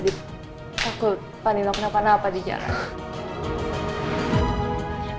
takut pak nino kenapa apa di jalan